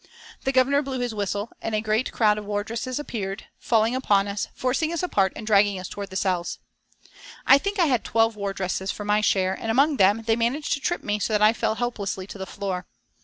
The Governor blew his whistle and a great crowd of wardresses appeared, falling upon us, forcing us apart and dragging us towards the cells. I think I had twelve wardresses for my share, and among them they managed to trip me so that I fell helplessly to the floor.